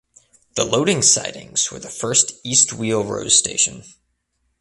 The loading sidings were the first East Wheal Rose station.